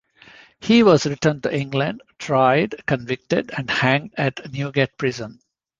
He was returned to England, tried, convicted, and hanged at Newgate Prison.